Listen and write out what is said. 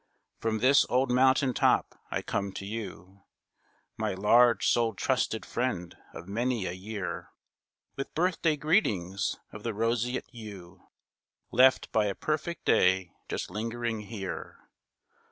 From this old mountain top I come to you, My large souled trusted friend of many a year, With birthday greetings of the roseate hue Left by a perfect Day just lingering here.